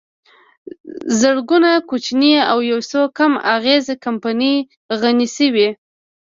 زرګونه کوچنۍ او یوڅو کم اغېزه کمپنۍ غني شوې